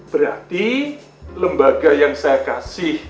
berarti lembaga yang saya kasih